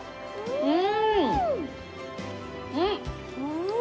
うん。